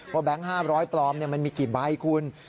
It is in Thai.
แบงค์๕๐๐ปลอมมันมีกี่ใบคุณ